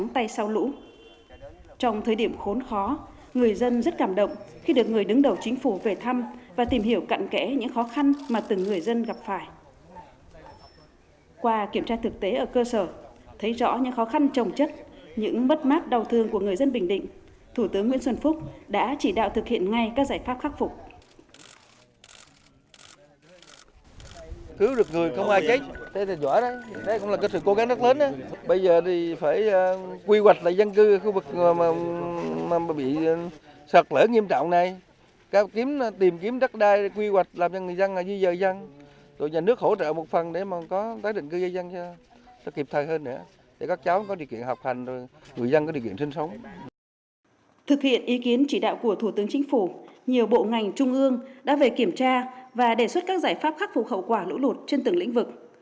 thực hiện ý kiến chỉ đạo của thủ tướng chính phủ nhiều bộ ngành trung ương đã về kiểm tra và đề xuất các giải pháp khắc phục khẩu quả lũ lụt trên từng lĩnh vực